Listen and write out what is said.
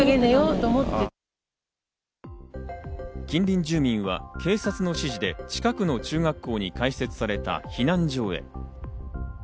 近隣住民は警察の指示で近くの中学校に開設された避難所へ。